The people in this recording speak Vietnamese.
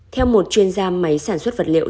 theo một chuyên gia máy sản xuất vật liệu